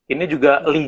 ini juga liga